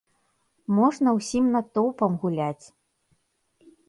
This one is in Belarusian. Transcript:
Можна ўсім натоўпам гуляць!